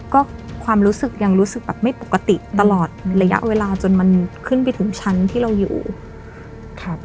ก็ความรู้สึกยังรู้สึกแบบไม่ปกติตลอดระยะเวลาจนมันขึ้นไปถึงชั้นที่เราอยู่ครับ